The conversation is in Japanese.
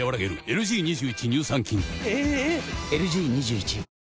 ⁉ＬＧ２１